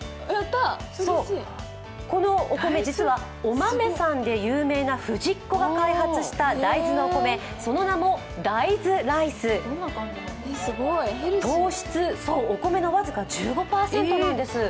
このお米、実はおまめさんで有名なフジッコが開発した大豆のお米、その名もダイズライス糖質、お米の僅か１５％なんです。